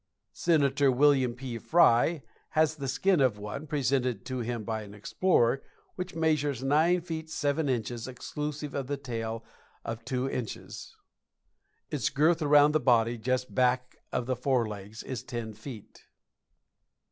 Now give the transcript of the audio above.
Senator Wm. P. Frye has the skin of one, presented to him by an explorer, which measures nine feet seven inches exclusive of the tail of two inches. Its girth around the body just back of the forelegs is ten feet.